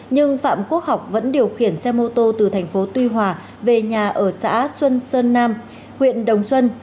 nhưng phạm quốc học vẫn điều khiển xe mô tô từ thành phố tuy hòa về nhà ở xã xuân sơn nam huyện đồng xuân